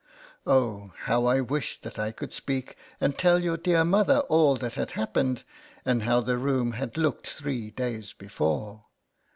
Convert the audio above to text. Oh, how I wished that I could speak, and tell your dear mother all that had happened, and how the room had looked three days before.